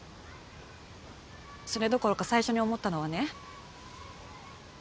それどころか最初に思ったのはね。